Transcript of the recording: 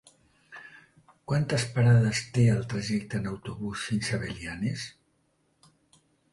Quantes parades té el trajecte en autobús fins a Belianes?